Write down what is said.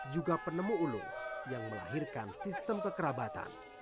juga penemu ulung yang melahirkan sistem kekerabatan